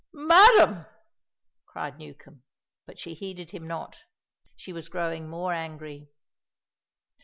"Madam!" cried Newcombe, but she heeded him not; she was growing more angry.